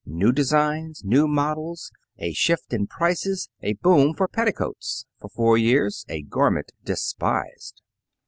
New designs, new models, a shift in prices, a boom for petticoats, for four years a garment despised.